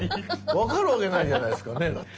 分かるわけないじゃないっすかねだって。